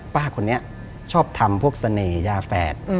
ป้าคนนี้ชอบทำพวกเสน่หยาแฝด